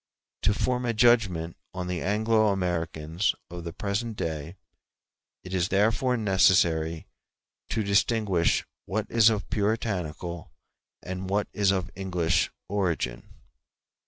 To form a judgment on the Anglo Americans of the present day it is therefore necessary to distinguish what is of Puritanical and what is of English origin.